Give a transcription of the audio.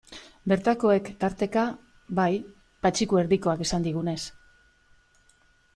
Bertakoek, tarteka, bai, Patxiku Erdikoak esan digunez.